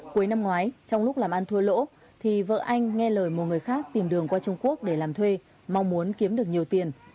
cuối năm ngoái trong lúc làm ăn thua lỗ thì vợ anh nghe lời một người khác tìm đường qua trung quốc để làm thuê mong muốn kiếm được nhiều tiền